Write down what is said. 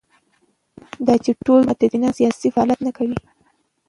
دا چې ټول متدینان سیاسي فعالیت نه کوي.